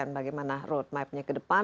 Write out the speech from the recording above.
bagaimana roadmapnya ke depan